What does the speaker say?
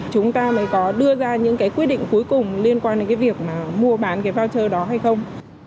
chúng ta mới có đưa ra những cái quyết định cuối cùng liên quan đến cái việc mà mua bán cái voucher đó hay không